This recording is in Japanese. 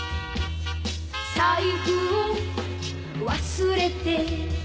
「財布を忘れて」